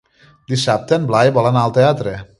Dissabte en Blai vol anar al teatre.